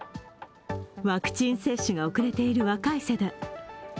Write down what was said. ワクチン接種が遅れている若い世代。